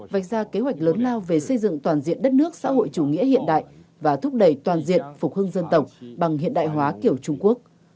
vạch ra kế hoạch lớn lao về xây dựng toàn diện đất nước xã hội chủ nghĩa hiện đại và thúc đẩy toàn diện phục hưng dân tộc bằng hiện đại hóa kiểu trung quốc